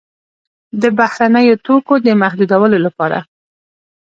د بهرنیو توکو د محدودولو لپاره.